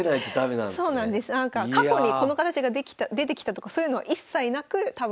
過去にこの形が出てきたとかそういうのは一切なく多分。